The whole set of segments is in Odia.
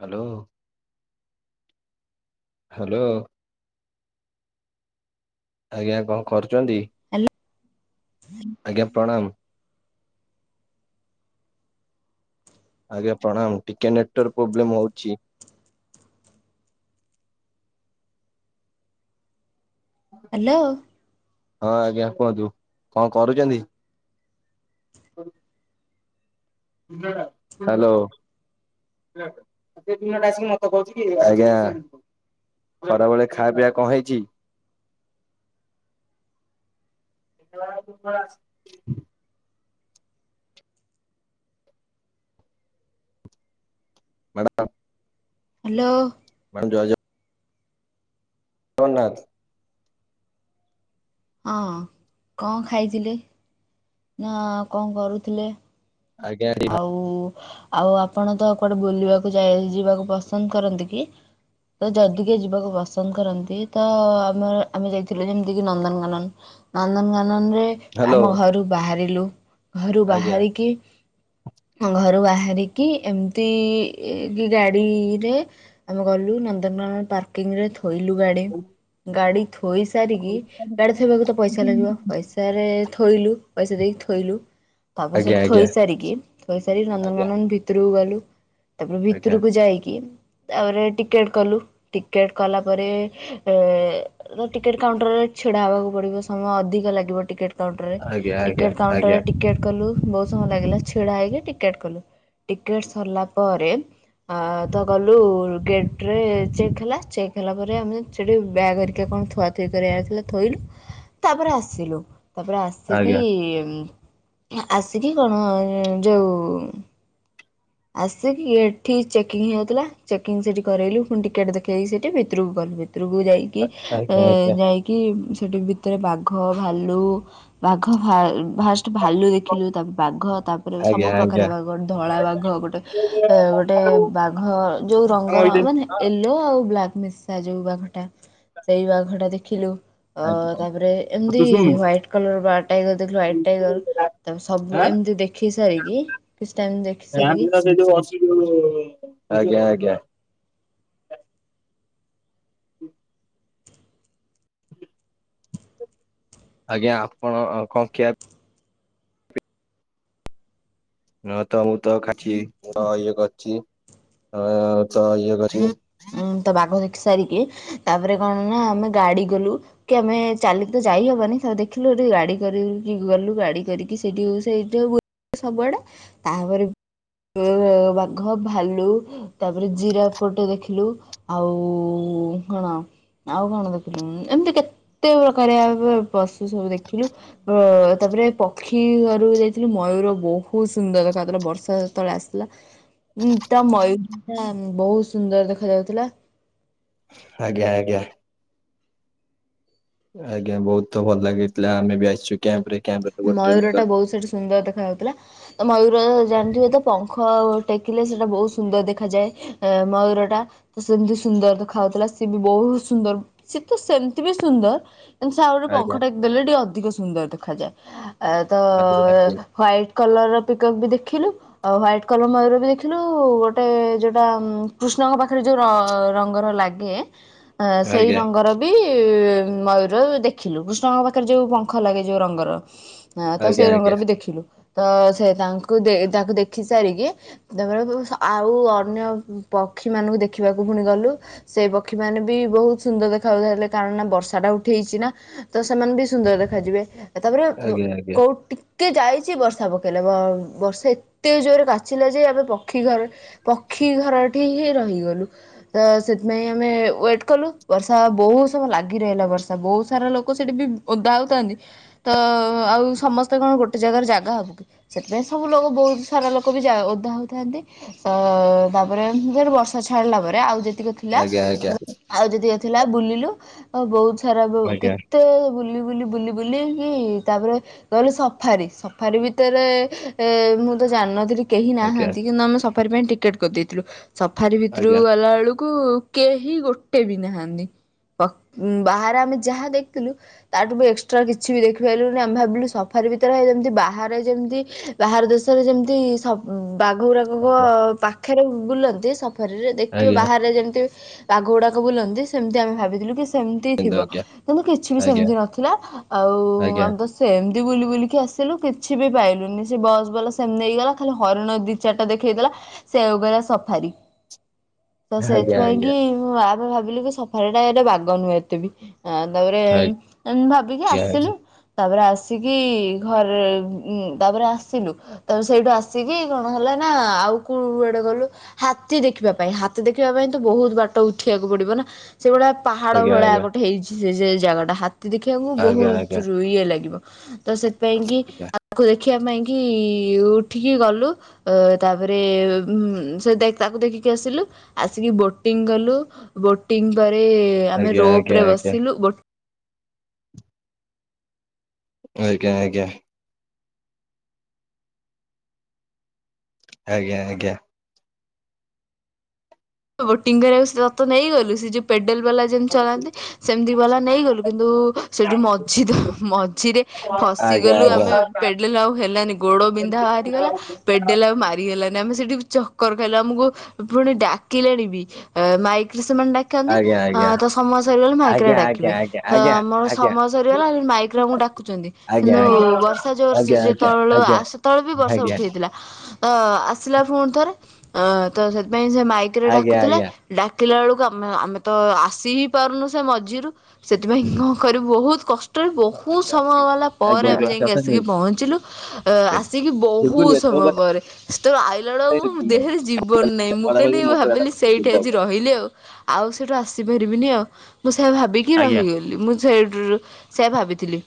ହ୍ୟାଲୋ। ହ୍ୟାଲୋ। ଆଜ୍ଞା କଣ କରୁଚନ୍ତି ହ୍ୟାଲୋ ଆଜ୍ଞା ପ୍ରଣାମ। ଆଜ୍ଞା ପ୍ରଣାମ ଟିକେ ନେଟୱାର୍ ପ୍ରୋବ୍ଲେମ ହୋଉଚି। ହ୍ୟାଲୋ। ହଁ ଆଜ୍ଞା କୁହନ୍ତୁ କଣ କରୁଚନ୍ତି? ହ୍ୟାଲୋ। ସେ ଦିନଟା ଆସିକି ମତେ କୋହୁଚି କି [unintelligible] ଖରାବେେଳେ ଖା ପିଆ କଁ ହେଇଚି? [unintelligible] ମ୍ୟାଡ଼ାମ୍। ହାଲୋ। ମ୍ୟାଡାମ ଜୟଜଗନ୍ନାଥ। [unintelligible] ଅଁ କଁ ଖାଇଥିଲେ? ନା କଣ କରୁଥିଲେ? ଆଜ୍ଞା [unintelligible] ଆଉ ଆଉ ଆପଣ ତ କୁଆଡେ ବୁଲିବାକୁ ଯାଇ ଯିବାକୁ ପସନ୍ଦ କରନ୍ତି କି? ତ ଯଦି କି ଯିବାକୁ ପସନ୍ଦ କରନ୍ତି ତ ଆମର ଆମେ ଯାଇଥିଲୁ ଯେମିତିକି ନନ୍ଦନକାନନ। ନନ୍ଦନ ଗାନନରେ ହ୍ୟାଲୋ ଆମ ଘରୁ ବାହାରିଲୁ ଘରୁ ଆଜ୍ଞା ବାହାରିକି ଘରୁ ବାହାରିକି ଏମିତି କି ଗାଡ଼ିରେ ଆମେ ଗଲୁ ନନ୍ଦନକାନନ ପାର୍କିଂରେ ଥୋଇଲୁ ଗାଡି ଗାଡି ଥୋଇ ସାରିକି ଗାଡି ଥୋଇବାକୁ ତ ପଇସା ଲାଗିବ ପଇସା ତାରେ ଥୋଇଲୁ ପଇସା ଦେଇକି ଥୋଇଲୁ ତାପରେ ଆଜ୍ଞା ସେଇଠି ଆଜ୍ଞା ଥୋଇ ସାରିକି ଥୋଇସାରି ନନ୍ଦନକାନନ ଭିତୁରୁକୁ ଗଲୁ ତାପରେ ଆଜ୍ଞା ଭିତରକୁ ଯାଇକି ତାପରେ ଟିକେଟ କଲୁ ଟିକେଟ କଲା ପରେ ଏ ର ଟିକେଟ କାଉଣ୍ଟର ରେ ଛିଡା ହବାକୁ ପଡିବ ସମୟ ଅଧିକ ଲାଗିବ ଟିକେଟ୍ ଟିକେଟ କାଉଣ୍ଟରରେ ଆଜ୍ଞା ଟିକେଟ୍ ଆଜ୍ଞା କାଉଣ୍ଟରରେ ଟିକେଟ୍ କଲୁ ବୋହୁତ ସମୟ ଲାଗିଲା ଛିଡ଼ା ହେଇକି ଟିକେଟ୍ କଲୁ। ଟିକେଟ୍ ସରିଲା ପରେ ଆ ତ ଗଲୁ ଗେଟରେ ଚେକ୍ ହେଲା ଚେକ୍ ହେଲା ପରେ ଆମେ ସେଠି ବ୍ୟାଗ୍ ହାରିକାକଣ ଥୁଆ ଚେକ୍ କରିବାର ଥିଲା ଥୋଇଲୁ ତାପରେ ଆସିଲୁ ତାପରେ ଆସ୍ ଆସିକି ଆଜ୍ଞା ଆସିକି କଣ ଯୋଉ ଆସିକି ଏଠି ଚେକିଂ ହେଉଥିଲା ଚେକିଂ ସେଠି କରେ ଇଲୁ ଫୁଣି ଟିକେଟ୍ ଦେଖେଇକି ସେଠି ଭିତୁରୁକୁ ଗଲୁ ହାରି। ଭିତୁରୁକୁ ଯାଇକି ଏ ଆଜ୍ଞା ଆଜ୍ଞା ଯାଇକି ସେଠି ଭିତେରେ ବାଘ ଭାଲୁ ବାଘ ଭା ଫାଷ୍ଟେ ଭାଲୁ ଦେଖିଲୁ ତାପରେ ବାଘ ତାପରେ ସବୁ ଆଜ୍ଞା ଆଜ୍ଞା ପ୍ରକାରିଆ ବାଘ ଧଳା ବାଘ ଏ ଗୋଟେ ଗୋଟେ ବାଘ ଯୋଉ ଆଜ୍ଞା ରଙ୍ଗର ଆଜ୍ଞା ମାନେଏଲ୍ ୟେଲୋ ଆଉ ବ୍ଲାକ୍ ମିଶା ଯୋଉ ବାଘଟା ସେଇ ବାଘଟା ଦେଖିଲୁ। ଅ ଆଜ୍ଞା ଆଜ୍ଞା। ତାପରେ ଆଉ ତୁ ଏମିତି ଶୁଣୁ ୱାଇଟ୍ କଲର ବାଘ ଟାଇଗର ଦେଖିଲୁ ୱାଇଟ୍ଟାଇଗର ତାପରେ ସବୁ ଆଁ ଏମିତି ଦେଖି ସାରିକି କିଛି ଟାଇମ ଦେଖି ସାରିକି [unintelligible] ଆଜ୍ଞା ଆଜ୍ଞା। [unintelligible] ଆଜ୍ଞା ଆପଣ କଣ ଖୀଆ [unintelligible] ଉଁ ତ ବାଘ ଦେଖି ସାରିକି ତାପରେ କଣ ନା ଆମେ ଗାଡି ଗଲୁ। କି ଆମେ ଚାଲିକି ତ ଯାଇହବନି ସବୁ ଦେଖିଲୁହେଠି ଗାଡି କରିକି ଗଲୁ ଗାଡି କରିକି ସେଇଠିକୁ ସେଇଠୁ ବୁଲି ସବୁଆଡେ ତାପରେ ବାଘ, ଭାଲୁ ତାପରେ ଜିରାଫ ଗୋଟେ ଦେଖି ଥିଲୁ ଆଉ କଣ ଆଉ କଣ ଦେଖିଲୁ ଉମ ଏମତି କେତେ ପ୍ରକାରିଆ ପଶ ସବୁ ଦେଖିଲୁ ତାପରେ ପ କ୍ଷୀ ଘରକୁ ଯାଇଥିଲୁ ମୟୂର ବହୁତ ସୁନ୍ଦର ଦେଖାଯାଉଥିଲା। ବର୍ଷା ସେତେବେଳେ ଆସିଥିଲା। ଉଁ ତ ମୟୂରା ବହୁତ ସୁନ୍ଦର ଦେଖ ଯାଉଥିଲା। ଆଜ୍ଞା ଆଜ୍ଞା ଆଜ୍ଞା, ବହୁତ ଭଲ ଲାଗିଥିଲା ଆମେ ବି ଆସିଛୁ କ୍ୟାମ୍ପ ରେ। ମୟୂର ଟା ବହୁତ ସେଠି ସୁନ୍ଦର ଦେଖା ଯାଉଥିଲା। ତ ମୟୂର ଜାଣିଥିବେ ତ ପଙ୍ଖ ଟେକିଲେ ସେଟା ବହୁତ ସୁନ୍ଦର ଦେଖାଯାଏ। ଏ ମୟୂରଟା। ତ ସେମିତି ସୁନ୍ଦର ତ ଦେଖାଉଥିଲା ସିଏ ବି ବହୁତ ସୁନ୍ଦର, ସିଏ ତ ସେମିତି ବି ସୁନ୍ଦର। ତେଣୁ ସେ ଆଉରି ଆଜ୍ଞା। ପଙ୍ଖ ଟେକି ଦେଲେ ଟିକେ ଅଧିକ ସୁନ୍ଦର ଦେଖାଯାଏ। ଆ ତ ଆଜ୍ଞା ଆଜ୍ଞା ହ୍ଵାଇଟ୍ କଲର ର ପିକପ ବି ଦେଖିଲୁ। ଆ ହ୍ୱାଇଟ୍ କଲର ମୟୁର ବି ଦେଖିଲୁ ଗୋଟେ ଯୋଉଟା କୃଷ୍ଣଙ୍କ ପାଖରେ ଯୋଉ ର ର ଙ୍ଗ ର ଲାଗେ ସେଇ ଆଜ୍ଞା ରଙ୍ଗ ବ ବି ମୟୂର ଦେଖିଲୁ। କୃଷ୍ଣଙ୍କ ପାଖରେ ଯେଉଁ ପଙ୍ଖ ଲାଗେ ଯେଉଁ ରଙ୍ଗର। ହ ତ ଆଜ୍ଞା ସେଇ ରଙ୍ଗର ଆଜ୍ଞା ବି ଦେଖିଲୁ ତ ସେ ତାଙ୍କୁ ତାଙ୍କୁ ଦେଖି ସାରିକି ସେତେବେଳକୁ ଆଉ ଅନ୍ୟ ପକ୍ଷୀ ମାନଙ୍କୁ ଦେଖିବାକୁ ପୁଣି ଗଲୁ। ସେଇ ପକ୍ଷୀ ମାନେ ବି ବହୁତ ସୁନ୍ଦର ଦେଖାାଯାଉଥିଲେ କାରଣ ନା ବର୍ଷା ଟା ଉଠି ହେଛି ନା। ତ ସେମାନେ ବି ସୁନ୍ଦର ଦେଖାଯିବେ ତାପରେ ଆଜ୍ଞା। କୋଉଟି ଟିକେ ଯାଇଛି ବର୍ଷା ପକେଇଲା ବର୍ଷା ଏତେ ଜୋରେ କାଚିଲା ଯେ ଆମେ ପକ୍ଷୀ ଘର ପକ୍ଷୀ ଘରଠି ହିଁ ରହିଗଲୁ। ତ ସେଥିପାଇଁ ଆମେ ୱେଟ କଲୁ ବର୍ଷା ବହୁତ ସମୟ ଲାଗି ରହିଲା ବର୍ଷା ବହୁତ ସାରା ଲୋକ ସେଠି ବି ଓଦା ହଉଥାନ୍ତି ତ ଆଉ ସମସ୍ତେ କଣ ଗୋଟେ ଜାଗାରେ ଜାଗା ହବ କି। ସେଥିପାଇଁ ସବୁ ଲୋକ, ବହୁତ ସାରା ଲୋକ ବି ଯା ଓଧା ହଉଥାନ୍ତି। ତ ତାପରେ ଯଉଟୁ ବର୍ଷା ଛାଡିଲା ପରେ ଆଉ ଯେତିକି ଥିଲା ଆଜ୍ଞା ଆଜ୍ଞା ଆଉ ଯଦିକ ଥିଲା ବୁଲିଲୁ ଆଉ ବହୁତ ସାରା ବୁ କେ ଆଜ୍ଞା ଏତେ ବୁଲି ବୁଲି ବୁଲି ବୁଲି କି ତାପରେ ଗଲି ସଫାରି ସଫାରି ଭିତରେ ମୁଁ ତ ଜାଣିନଥିଲି କେହି ଆଜ୍ଞା ନାହାନ୍ତି କିନ୍ତୁ ଆମେ ସଫାରି ପାଇଁ ଟିକେଟ୍ କରିଦେଇଥିଲୁ ସଫାରି ଭିତରୁକୁ ଆଜ୍ଞା ଗଲା ବେଳକୁ କେହି ଗୋଟେ ବି ନାହାନ୍ତି। ବାହାରେ ଆମେ ଯାହା ଦେଖିଥିଲୁ ତାଠୁ ବି ଏକ୍ସଟ୍ରା କିଛି ବି ଦେଖିପାରଲୁନି। ଆମେ ଭାବିଲୁ ସଫାରି ଭିତରେ ଯେମତି ବାହାରେ ଯେମିତି ବାହାର ଦେଶରେ ଯେମିତି ସ ବାଘଗୁରା ମ ପାଖରେ ବୁଲନ୍ତି ସଫରି ରେ ଦେଖଥିବେ ଆଜ୍ଞା ବାହାରେ ଯେମିତି ବାଘ ଗୁଡାକ ବୁଲନ୍ତି ସେମିତି ଆମେ ଭାବିଥିଲୁ କି ସେମିତି କିନ୍ତୁ ଥିବ ଆଜ୍ଞା। କିନ୍ତୁ କିଛି ବି ଆଜ୍ଞା ସେମିତି ନଥିଲା ଆଉ ଆମ ବାଶ ସେମିତି ବୁଲି ବୁଲିକି ଆସିଲୁ କିଛି ବି ପାଇଲୁନି ସେ ବସ ବାଲା ସେମିତି ନେଇଗଲା ଖାଲି ହରିଣ ଦି ଚରିଟା ଦେଖେଇଦେଲା ସେଇକୁ କହିଲା ସଫାରି। ତ ଆଜ୍ଞା ଆଜ୍ଞା ଆଜ୍ଞା ଆଜ୍ଞା ଆଜ୍ଞା ସେଇଥିପାଇଁ କି ମୁଁ ଆମେ ଭାବିଲୁ କି ସଫାରୀ ଟା ଏଟେ ବାଗ ନୁହେଁ ଏତେ ବି। ଆ ତାପରେ ଏମିତି ଭାବିକି ଆସିଲୁ। ତାପରେ ଆସିକି ଘରେ ଉ ତାପରେ ଆସିଲୁ। ତାପରେ ସେଇଠୁ ଆସିକି କଣ ହେଲା ନା ଆଉ କୁଆଡେ ଗଲୁ ହାତୀ ଦେଖିବା ପାଇଁ, ହାତୀ ଦେଖିବା ପାଇଁ ତ ବହୁତ ବାଟ ଉଠିବାକୁ ପଡ଼ିବ ନା, ସେଭଳିଆପ୍ ପାହାଡ ଆଜ୍ଞା ଆଜ୍ଞା ଭଳିଆ ଆଜ୍ଞା। ଗୋଟେ ହେଇଛି ସେ ସେ ଜାଗାଟା। ହାତୀ ଦେଖିବାକୁ ଆଜ୍ଞା ବହୁତ ରୁ ଇଏ ଲାଗିବ। ତ ସେଥିପାଇଁ କିି ଆଜ୍ଞା ତାକୁ ଦେଖିବା ପାଇଁ କି ଉଠିକି ଗଲୁ? ଅ ତା, ପରେ ସେ ଦେଖ ତାକୁ ଦେଖିକି ଆସିଲୁ, ଆସିକି ବୋଟିଂ କଲୁ। ବୋଟିଂ ପରେ ଆମେ ରୋପ ଆଜ୍ଞା ରେ ବସିଲୁ ଗୋଟ୍ ଆଜ୍ଞା, ଆଜ୍ଞା। ଆଜ୍ଞା ଆଜ୍ଞା। ବୋଟିଂ କରିବାକୁ ସତ ନେଇଗଲୁ ସେ ଯଉ ପେଡେଲବାଲା ଯେମ୍ ଚଲାନ୍ତି। ସେମତି ବାଲା ନେଇଗଲୁ କିନ୍ତୁ ସେଠୁ ମଝିଦ ମଝିରେ ଆଜ୍ଞା ଫସିଗଲୁ ଆଜ୍ଞା। ଆମେ ପେଡଲ୍। ଆଉ ହେଲାନି ଗୋଡ଼ ବିନ୍ଧା ବାହାରିଗଲା। ପେଡେଲ ଆଉ ମାରି ହେଲାନି ଆମେ। ସେଠୁ ଚକ୍କର ଖାଇଲା ଆମକୁ ପୁଣି ଡାକ୍ କିଲେନି ବି? ଆଁ ମାଇକ୍ ରେ ସୋମାନେଡାକ କଁନ୍ତି ଆଜ୍ଞା ଆଜ୍ଞା ଅଁ ତ ସମୟ ସରିଗଲେ ମାଇକ୍ ରେ ଆଜ୍ଞା ଆଜ୍ଞା ଆଜ୍ଞା ଆଜ୍ଞା ଆଜ୍ଞା। ଆଜ୍ଞା ଆଜ୍ଞା ଆଜ୍ଞା ଆଜ୍ଞା ଆଜ୍ଞା ଆଜ୍ଞା ଡାକିବେ। ତ ଆଜ୍ଞା ଆମର ସମୟ ସରିଗଲା ମାଇକରେ ଡାକୁଚନ୍ତି। କିନ୍ତୁ ବର୍ଷା ଜୋର ସେ ଆଜ୍ଞା। ଯେତେବେଳୁ ଆସୁତଳବି ବର୍ଷା ଉଠେଇଥିଲା। ଅ ଆସିଲା ପୁଣି ଥରେ। ଅ ତ ସେଥିପାଇଁ ସେ ମାଇକ୍ ରେ ଡାକୁଥିଲେ। ଡାକିଲା ବେଳକୁ ଆମେ ଆମେ ତ ଆସି ହି ପାରୁନୁ ସେ ମଝିରୁ। ସେଥିପାଇଁ କଁ କରିବୁ ବହୁତ କଷ୍ଟରେ ବହୁ ବହୁତ ସମୟ ଆଜ୍ଞା ଆଜ୍ଞା। ଆଜ୍ଞା ଗଲା ପରେ ଆମେ ଯାଇକି ଆସିକି ପହଞ୍ଚିଲୁ। ଅ ଆସି କି ବହୁତ୍ ସମୟ ପରେ। ସେତେବେଳୁ ଆଇଲା ବେଳକୁ ଦେହେରେ ଜୀବନ ନାଇଁ। ମୁଁ କଇଲି ଭାବିଲି ସେଇଠି ଆଜି ରହିଲି ଆଉ। ଆଉ ସେଇଠୁ ଆସିପାରିବିନି ଆଉ ମୁଁ। ସେଇୟା ଭାବିକି ରହିଗଲି ମୁଁ ସେଠରୁ। ସେଇୟା ଭାବିଥିଲି।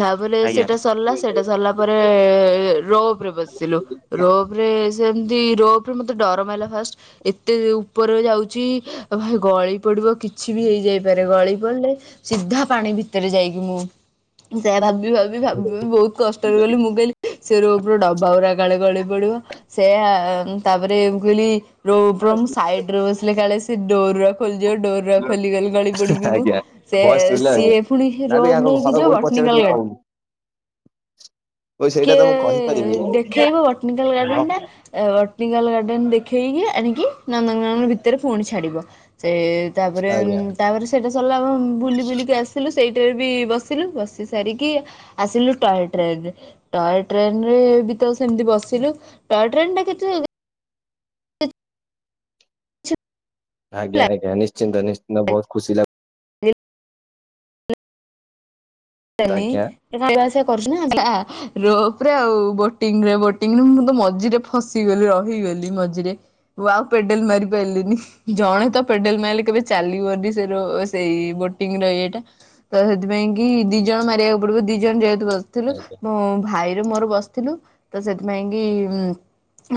ତାପରେ ସେଟା ସରଲା ସେଟା ସରଲା ପରେ ରେପ୍ ରେବସିଲୁ ରୋପରେ ସେମତି ରୋପରେ ମତେ ଡରମ ମାଇଲା ଫାଷ୍ଟ୍। ଏତେ ଉପରେ ଯାଉଚି ଭାଇ! ଗଳି ପଡିବ କିଛି ବି ହେଇଯାଇପାରେ ଗଳି ପଡ଼ିଲେ। ସିଧା ପାଣି ଭିତରେ ଯାଇକି! ମୁଁ ସେଇୟା ଭାବି ଭାବ୍ ଭାବି ଭାବି ବହୁତ କଷ୍ଟରେ ଗଲି ମୁଁ କଇଲି। ସେ ରୋପରେ ଡବା ପୂରା ଗଳି ପଳି ପଡ଼ିବ ସେଇହା ତାପରେ ମୁଁ କହିଲି। ରୋପର ମୁଁ ସାଇଡରେ ବସିଲେ କାଳେ ସେ ଡୋର ଖୋଲିଯେର ଡୋର ଖୋଲିଗଲେ ଗଳି ପୋଡ଼ିିବିି ମୁଁ। ସେ ଭଏସ ସିଏ ପୁଣି ରୋବ୍ ନେଇକି ଯିବ ବାଟ୍ ସେଉଠୁ କମ୍ କିଏ ତ ମୁଁ କହିପାରିବିନି। ହଁ ଦେଖେଇବ ୱାନଟାନିକାଲ ଗାର୍ଡେନ ଆଜ୍ଞା ଟା ୱାଟନିକାଲ୍ ଗାର୍ଡ଼େନ୍ ଦେଖେଇକି ଆଣିକି ନାନା [unintelligible] ଭିତରେ ପୁଣି ଛାଡ଼ିବ ସେ। ତା, ପରେ ତା, ପରେ ସେଇଟା ସରଲା। ଆମେ ବୁଲି ବୁଲିକି ଆସିଲୁ ସେଇଠାରେ ବି ବସିଲୁ। ବସି ସାରିକି ଆସିଲୁ ଟୟୋତ ରେ ଏବେ। ଟୟୋତ ଟ୍ରେନ ରେ ବି ତ ସେମତି ବସିଲୁ ଟୟୋତ ଟ୍ରେନ ଟା କେତେ [inaudible] ଆଜ୍ଞା ଆଜ୍ଞ। ନିଶ୍ଚିନ୍ତ ନିଶ୍ଚିନ୍ତ। ବହୁ ଖୁସି ଲାଗ୍। [unintelligible] [unintelligible] ଆଜ୍ଞା। ରୋପରେ ଆଉ ବୋଂଟରେ। ବୋଂଟି ମୁଁ ତ ମଝିରେ ଖସିଗଲି ରହିଗଲି ମଝିରେ ମୁଁ। ଆଉ ପେଡେଲ ମାରି ପାଇଲିନି। ଜଣେ ତ ପେଡେଲ ମାଇଲେ କେବେ ଚାଲିବନି ସେ ରେ ସେଇ ବୋଟିଂର ଇଏଟା। ତ ସେଥିପାଇଁ କି ଦିଇ ଜଣ ମାରିବାକୁ ପଡ଼ିବ। ଦିଇ ଜଣ ଯେହେତୁ ବସିଥିଲେ, ଆଜ୍ଞା ମୋ ଭାଇ। ଯେଉଁ ମୋର ବସିଥିଲୁ, ତ ସେଥିପାଇଁ କି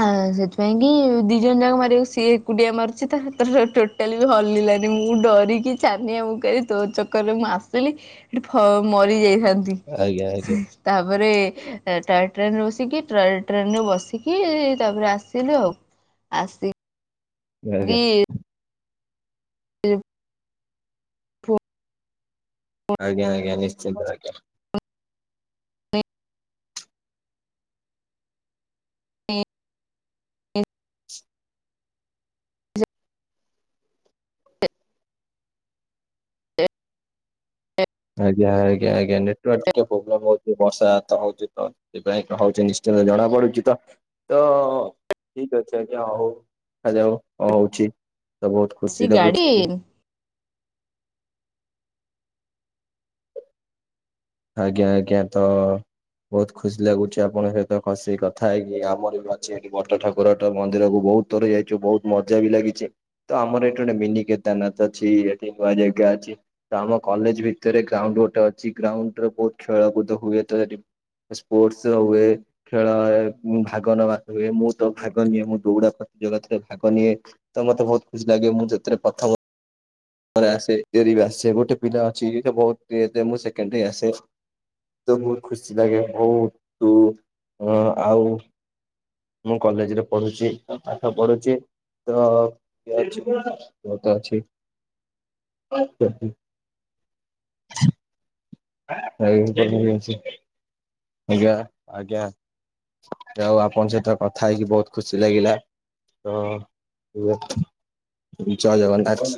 ଆଁ ସେଥିପାଇଁ କି ଦିଇ ଜଣ ଯାଙ୍କ ମାରିବାକୁ ସିଏ ଏକୁଟିଆ ମାରୁଚି ତା। [unintelligible] ଟୋଟାଲି ବି ହଲିଲାନି ମୁଁ ଡରିକି ଛାନିଆ ଆମକୁ କଲି ତୋ ଚକରରେ ମୁଁ ଆସିଲିଠି ମରି ଯାଇଥାନ୍ତି। ଆଜ୍ଞା ତାପରେ ଟଏ ଟ୍ରେନରେ ବସିକି ଟଏ ଟ୍ରେନରେ ବସିକି ତାପରେ ଆସିଲୁ ଆଉ। ଆସି ଆଜ୍ଞା କି [unintelligible] ଆଜ୍ଞା ଆଜ୍ଞା ନିଶ୍ଚିନ୍ତ ଆଜ୍ଞା। ହୁଁ। ଆଜ୍ଞା ଆଜ୍ଞା ଆଜ୍ଞା ନେଟୱର୍କ ଟିକେ ପ୍ରୋବ୍ଲେମ ହଉଛି ବର୍ଷା ହାତ ହଉ ତ ସେଥି ପାଇଁ ହଉଛି ନିଶ୍ଚିନ୍ତ ଜଣା ପଡୁଛି ତ? ତ ଠିକ ଅଛି ଆଜ୍ଞା ହଉ ଦେଖାଯାଉ କଣ ହଉଛି? ତ ବହୁତ ଖୁସି ଆସି ଲାଗୁଛି ଗାଡି ଆଜ୍ଞା ଆଜ୍ଞା ତ ବହୁତ ଖୁସି ଲାଗୁଛି ଆପଣଙ୍କ ସହିତ ଖସି କଥା ହେଇକି ଆମର ବି ଅଛିଠି ବଟ ଠାକୁର ମନ୍ଦିରକୁ ବହୁତ ଥରେ ଯାଇଛୁ ବହୁତ ମଜା ବି ଲାଗିଛି। ତ ଆମର ଏଠି ଗୋଟେ ମିନିି କେଦାରନାଥ ଅଛି ଏଠି ନୂଆ ଜାଗା ଅଛି। ତ ଆମ କଲେଜ ଭିତରେ ଗ୍ରାଉଣ୍ଡ ଗୋଟେ ଅଛି ଗ୍ରାଉଣ୍ଡରେ ବହୁତ ଖେଳକୁଦ ହୁଏ ତ ସେଠି। ସ୍ପୋର୍ଟସ ହୁଏ। ଖେଳ ଭାଗ ନେବା ହୁଏ ମୁଁ ତ ଭାଗ ନିଏ ମୁଁ ଦୌଡା ପ୍ରତି ଯୋଗିତାରେ ଭାଗ ନିଏ। ତ ମତେ ବହୁତ ଖୁସି ଲାଗେ ମୁଁ ଯେଥିରେ ପ୍ରଥମ ମ ଆସେ ରି ବି ଆସେ ଗୋଟେ ପିଲା ଅଛି ବ ମୁ ସେକେଣ୍ଡ ହେଇଆସେ ତ ବହୁତ ଖୁସି ଲାଗେ ବହୁତ ହଁ ଆଉ ମୁଁ କଲେଜରେ ପଢୁଛି ଆଉ ପାଠ ପଢୁଛି। [inaudible] ଆଜ୍ଞା ଆଜ୍ଞା। ଯାହା ହଉ ଆପଣ ସହିତ କଥା ହେଇକି ବହୁତ ଖୁସି ଲାଗିଲା। ତ୍ ଜୟ ଜଗନ୍ନାଥ।